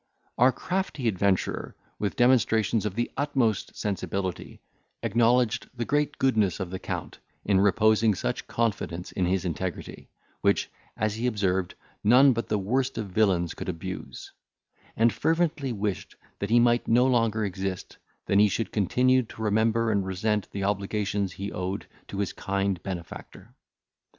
Our crafty adventurer, with demonstrations of the utmost sensibility, acknowledged the great goodness of the Count in reposing such confidence in his integrity; which, as he observed, none but the worst of villains could abuse; and fervently wished that he might no longer exist, than he should continue to remember and resent the obligations he owed to his kind benefactor.